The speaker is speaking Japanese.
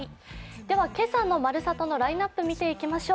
今朝の「まるサタ」のラインナップを見ていきましょう。